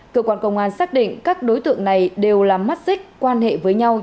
cơ quan công an xác định các đối tượng này đều là mắt xích quan hệ với nhau